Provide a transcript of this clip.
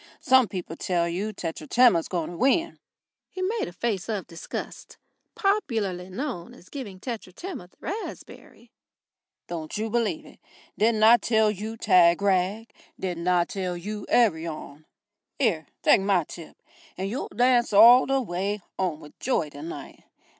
Some people tell you Tetratema's going to win." He made a face of disgust, popularly known as giving Tetratema the raspberry, "Don't you believe it. Didn't I tell you Tagrag? Didn't I tell you Arion? 'Ere, take my tip, and you'll dance all the w'y 'ome with joy tonight.